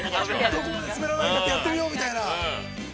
◆どこまで滑らないか、やってみようみたいな。